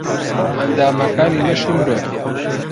ئەندامەکانی لەشی مرۆڤ